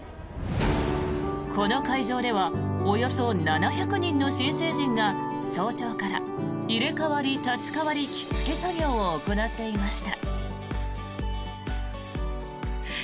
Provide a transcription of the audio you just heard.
この会場ではおよそ７００人の新成人が早朝から入れ代わり立ち代わり着付け作業を行っていました。